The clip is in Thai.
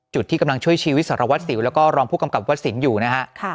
จุดที่กำลังช่วยชีวิตศรวรษศิวดิ์แล้วก็รองผู้กำกับวัตถสินฺษ์อยู่นะฮะค่ะ